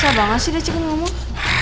susah banget sih dia cek nih ngomong